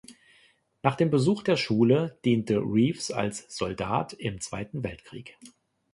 Nach dem Besuch der Schule diente Reeves als Soldat im Zweiten Weltkrieg.